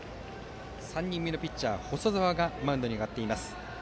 ３人目のピッチャー細澤がマウンドに上がっています。